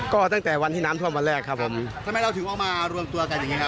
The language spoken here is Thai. ก็ตั้งแต่วันที่น้ำท่วมวันแรกครับผมทำไมเราถึงเอามารวมตัวกันอย่างนี้ครับ